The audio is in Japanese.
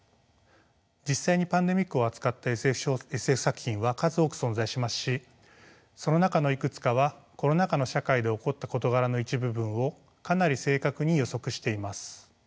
実際にパンデミックを扱ったＳＦ作品は数多く存在しますしその中のいくつかはコロナ下の社会で起こった事柄の一部分をかなり正確に予測しています。